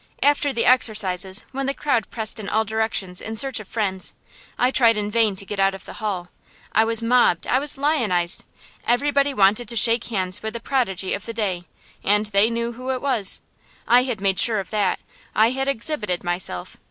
After the exercises, when the crowd pressed in all directions in search of friends, I tried in vain to get out of the hall. I was mobbed, I was lionized. Everybody wanted to shake hands with the prodigy of the day, and they knew who it was. I had made sure of that; I had exhibited myself.